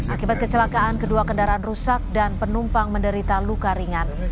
akibat kecelakaan kedua kendaraan rusak dan penumpang menderita luka ringan